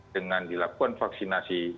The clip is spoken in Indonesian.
dengan dilakukan vaksinasi